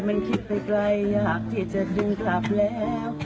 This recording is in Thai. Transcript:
ตึงตึงมีเรื่องแล้ว